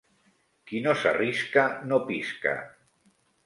Qui no s’arrisca, no pisca.